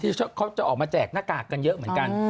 เขาจะออกมาแจกหน้ากากกันเยอะเหมือนกัน